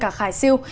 sau vụ khải siêu